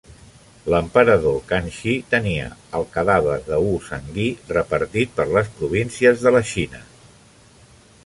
L'emperador Kangxi tenia el cadàver de Wu Sangui repartit per les províncies de la Xina.